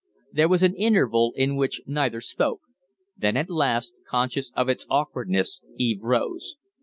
There was an interval in which neither spoke. Then, at last, conscious of its awkwardness, Eve rose.